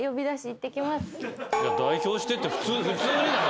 「代表して」って普通にだろ。